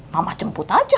mama cemput aja